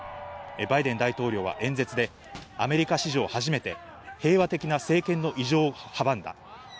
バイデン大統領は演説でアメリカ史上初めて平和的な政権の移譲を阻んだ。